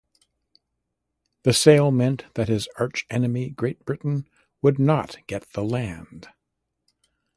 The sale meant that his archenemy Great Britain would not get the land.